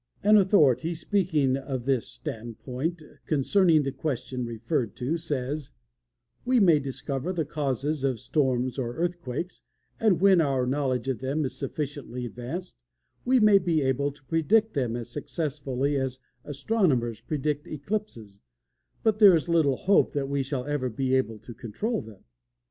An authority, speaking of this standpoint concerning the question referred to, says: "We may discover the causes of storms or earthquakes, and when our knowledge of them is sufficiently advanced we may be able to predict them as successfully as astronomers predict eclipses, but there is little hope that we shall ever be able to control them.